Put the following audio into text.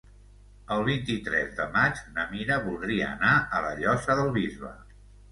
El vint-i-tres de maig na Mira voldria anar a la Llosa del Bisbe.